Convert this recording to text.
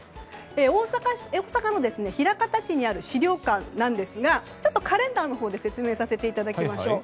大阪の枚方市にある資料館なんですがカレンダーのほうで説明させていただきましょう。